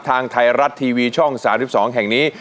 ทางไทยรัฐทีวีช่อง๓๒แห่งนี้